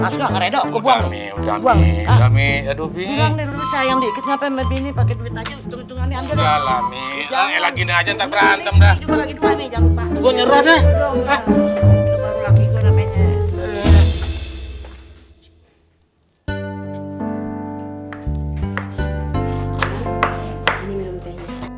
satu setengah mesa